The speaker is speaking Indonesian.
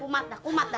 kumat dah kumat dah